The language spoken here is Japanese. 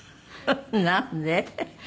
なんで？